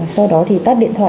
sau đó thì tắt điện thoại